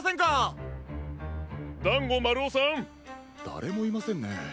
だれもいませんね。